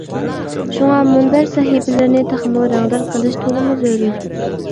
شۇڭا مۇنبەر سەھىپىلىرىنى تېخىمۇ رەڭدار قىلىش تولىمۇ زۆرۈر.